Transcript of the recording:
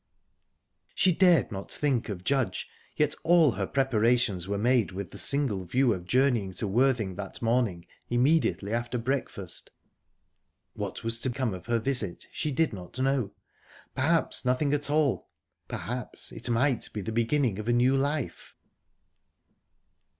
She dared not think of Judge, yet all her preparations were made with the single view of journeying to Worthing that morning immediately after breakfast. What was to come of her visit, she did not know. Perhaps nothing at all; perhaps it might be the beginning of a new life.